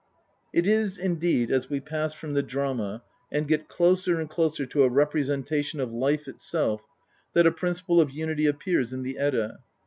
It is indeed as we pass from the drama and get closer and closer to a representation of life itself that a principle of unity appears in the Edda.